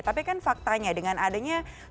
tapi kan faktanya dengan adanya